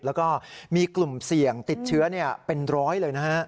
แล้วก็มีกลุ่มเสี่ยงติดเชื้อเป็นร้อยเลยนะฮะ